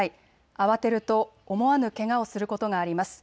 慌てると思わぬけがをすることがあります。